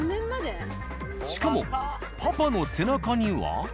しかもパパの背中には。